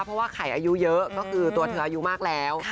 เพราะว่าไข่อายุเยอะก็คือตัวเธออายุมากแล้ว